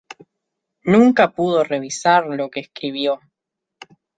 Nunca pudo revisar lo que escribió.